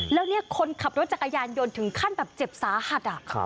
แล้วเนี่ยคนขับรถจักรยานยนต์ถึงขั้นแบบเจ็บสาหัส